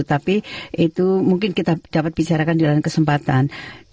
tapi itu mungkin kita dapat bicarakan di dalam kesempatan